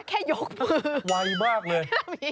แค่ยกมือวายมากเลย